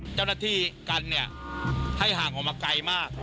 เจ้าหน้าที่กันเนี่ยให้ห่างออกมาไกลมาก